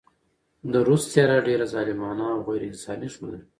د روس څهره ډېره ظالمانه او غېر انساني ښودله.